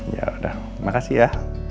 yaudah makasih ya